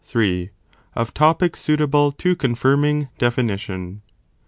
III.—Of Topics suttable to confirming Definition.